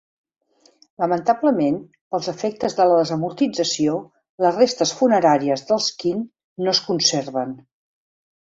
Lamentablement, pels efectes de la Desamortització, les restes funeràries dels Quint no es conserven.